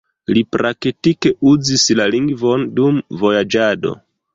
Li praktike uzis la lingvon dum vojaĝado.